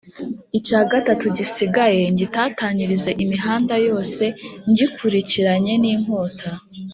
icya gatatu gisigaye ngitatanyirize imihanda yose ngikurikiranye n’inkota